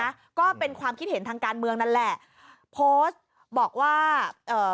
ก็เป็นความคิดเห็นทางการเมืองนั่นแหละโพสต์บอกว่าเอ่อ